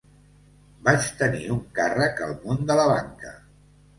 Vaig tenir un càrrec al món de la banca.